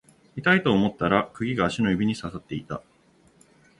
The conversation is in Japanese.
痛いと思ったら釘が足の指に刺さっていた